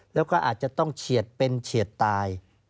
แล้วก็อาจจะต้องเฉียดเป็นเฉียดตาย